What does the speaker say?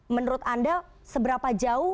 menurut anda seberapa jauh